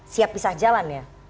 siap pisah jalan ya